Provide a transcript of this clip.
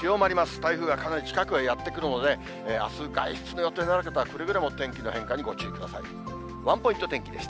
台風がかなり近くまでやって来るので、あす外出の予定のある方は、くれぐれも天気の変化にご注意ください。